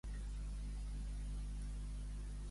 En Suur Tõll va regnar Saaremaa?